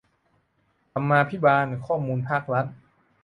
ธรรมาภิบาลข้อมูลภาครัฐ